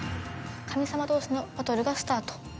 神様同士のバトルがスタート。